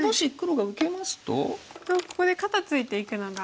とここで肩ツイていくのが。